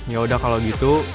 yaudah kalau gitu